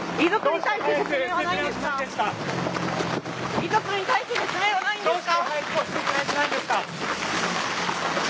遺族に対して説明はないんですか！